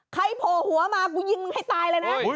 โผล่หัวมากูยิงมึงให้ตายเลยนะ